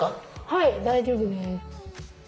はい大丈夫です。